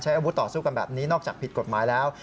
อาวุธต่อสู้กันแบบนี้นอกจากผิดกฎหมายแล้ว